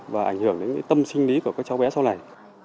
và ảnh hưởng đến tâm sinh lý của các cháu bé sau này